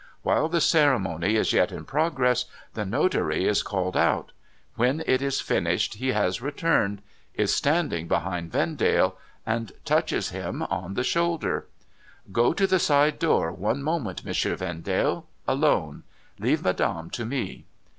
While the ceremony is yet in progress, the notary is called out. When it is finished, he has returned, is standing behind Vendale, and touches him on the shoulder. THE LAST OF MR. OBENREIZER 573 * Go to the side door, one moment, Monsieur Vendale. Alone. Leave Madame to me.'